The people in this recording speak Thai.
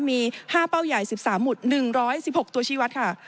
มี๕เป้าใหญ่๑๓หุด๑๑๖ตัวชีวัตรค่ะ